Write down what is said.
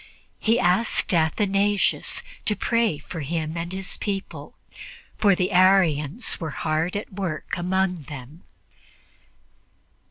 He asked Athanasius to pray for him and his people, for the Arians were hard at work among them.